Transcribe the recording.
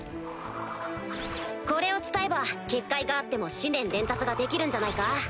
これを伝えば結界があっても思念伝達ができるんじゃないか？